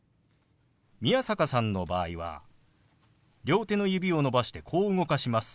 宮坂さんの場合は両手の指を伸ばしてこう動かします。